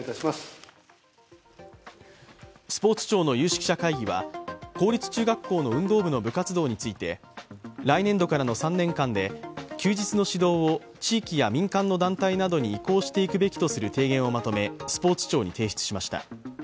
スポーツ庁の有識者会議は公立中学校の運動部の部活動について来年度からの３年間で休日の指導を地域や民間の団体などに移行していくべきとする提言をまとめスポーツ庁に提出しました。